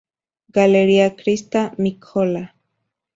Galleria Krista Mikkola.